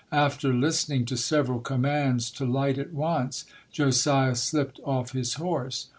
After listening to several commands to light at once, Josiah slipped off his horse.